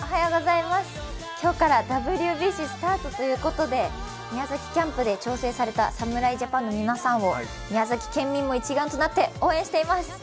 今日からＷＢＣスタートということで宮崎キャンプで調整された侍ジャパンの皆さんを宮崎県民も一丸となって応援しています！